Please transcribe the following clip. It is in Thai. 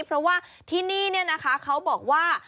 เพราะว่าที่นี่เขาบอกว่า